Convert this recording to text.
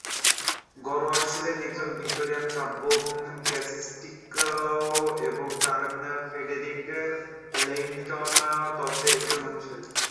Godward ছিলেন একজন Victorian নব্য-ক্লাসিকিস্ট, এবং তাই, ফ্রেডেরিক লেইটন তত্ত্বের একজন অনুসারী।